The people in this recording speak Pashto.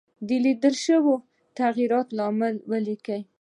د لیدل شوو تغیراتو لامل ولیکئ.